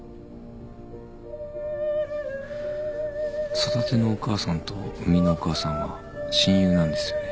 育てのお母さんと生みのお母さんは親友なんですよね？